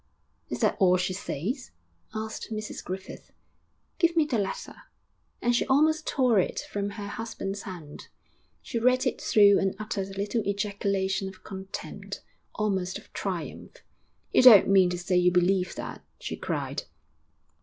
'Is that all she says?' asked Mrs Griffith. 'Give me the letter,' and she almost tore it from her husband's hand. She read it through and uttered a little ejaculation of contempt almost of triumph. 'You don't mean to say you believe that?' she cried.